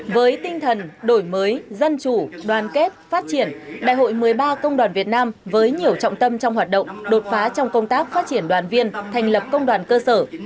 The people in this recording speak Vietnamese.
với tinh thần đổi mới dân chủ đoàn kết phát triển đại hội một mươi ba công đoàn việt nam với nhiều trọng tâm trong hoạt động đột phá trong công tác phát triển đoàn viên thành lập công đoàn cơ sở